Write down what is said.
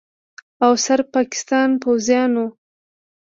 او صرف پاکستان پوځیانو